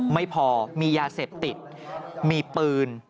ไม่พอมียาเสพติดมีปืน